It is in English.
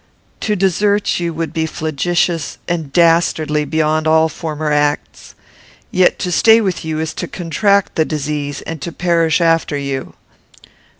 "To desert you would be flagitious and dastardly beyond all former acts; yet to stay with you is to contract the disease, and to perish after you.